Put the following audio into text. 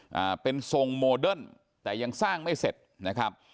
อ่าเป็นทรงโมเดิร์นแต่ยังสร้างไม่เสร็จนะครับ